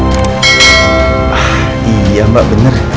oh iya mbak bener